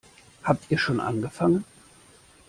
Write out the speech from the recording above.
Habt ihr schon angefangen?